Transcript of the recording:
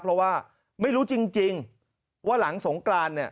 เพราะว่าไม่รู้จริงว่าหลังสงการ